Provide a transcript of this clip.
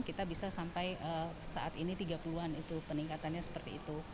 kita bisa sampai saat ini tiga puluh an itu peningkatannya seperti itu